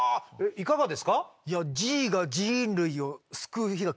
いかがですか？